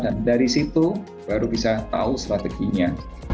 dan dari situ baru bisa tahu strateginya